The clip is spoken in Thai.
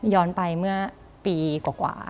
ย้อนไปเมื่อปีกว่า